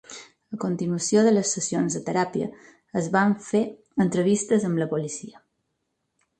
A continuació de les sessions de teràpia es van fer entrevistes amb la policia.